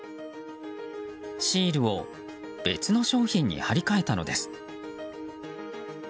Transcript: シールを別の商品に貼り替えたのです。